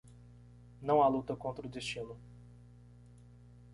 Não há luta contra o destino.